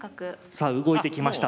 さあ動いてきました。